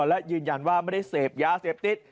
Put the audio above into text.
และยืนยันว่าไม่ได้เสพยาเสพติด